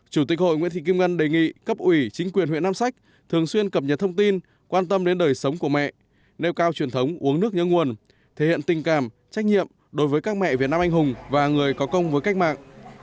chủ tịch hội nguyễn thị kim ngân đề nghị cấp ủy chính quyền huyện nam sách thường xuyên cập nhật thông tin quan tâm đến đời sống của mẹ nêu cao truyền thống uống nước nhớ nguồn thể hiện tình cảm trách nhiệm đối với các mẹ việt nam anh hùng và người có công với cách mạng